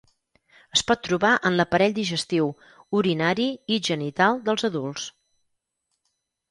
Es pot trobar en l'aparell digestiu, urinari i genital dels adults.